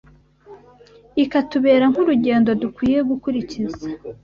ikatubera nk’urugero dukwiye gukurikiza